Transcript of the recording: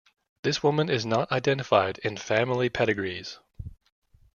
This woman is not identified in family pedigrees.